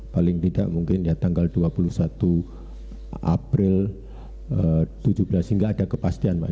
paling tidak mungkin ya tanggal dua puluh satu april tujuh belas hingga ada kepastian pak